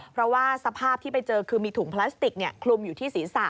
เพราะว่าสภาพที่ไปเจอคือมีถุงพลาสติกคลุมอยู่ที่ศีรษะ